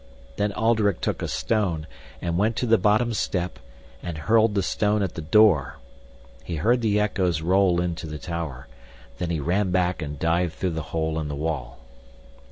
Then Alderic took a stone, and went to the bottom step, and hurled the stone at the door; he heard the echoes roll into the tower, then he ran back and dived through the hole in the wall.